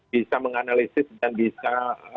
bisa menganalisis dan bisa